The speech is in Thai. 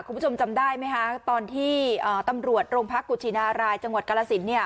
คุณผู้ชมจำได้ไหมคะตอนที่ตำรวจโรงพักกุชินารายจังหวัดกรสินเนี่ย